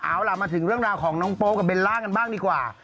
เอาล่ะมาถึงเรื่องราวของน้องโป๊กับเบลล่ากันบ้างดีกว่า